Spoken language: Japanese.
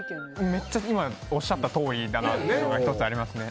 めっちゃ今おっしゃったとおりというのが１つありますね。